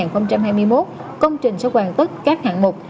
trong nhiều lúc công trình sẽ hoàn tất các hạng mục